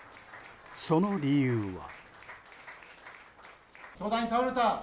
その理由は。